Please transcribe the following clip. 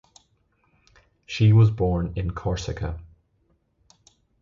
She was born in Corsica.